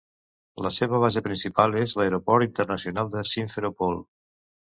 La seva base principal és l'aeroport internacional de Simferopol.